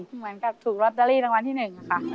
เหมือนกับถูกรับดัลลี่รางวัลที่๑นะคะ